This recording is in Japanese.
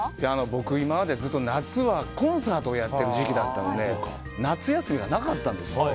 僕、今まで夏はコンサートをやってる時期だったので夏休みがなかったんですよ。